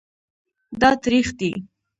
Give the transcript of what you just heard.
دا تریخ دی